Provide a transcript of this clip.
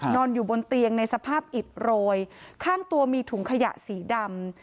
นอนอยู่บนเตียงในสภาพอิดโรยข้างตัวมีถุงขยะสีดำ